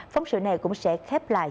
phóng sự này cũng sẽ khép lại